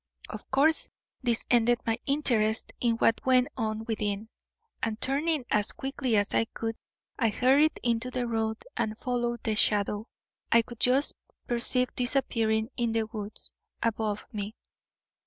Of course this ended my interest in what went on within, and turning as quickly as I could I hurried into the road and followed the shadow I could just perceive disappearing in the woods above me.